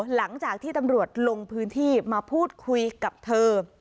หลังจากที่ตำรวจลงพื้นที่มาพูดคุยกับเธอ